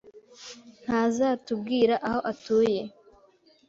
ntazatubwira aho atuye.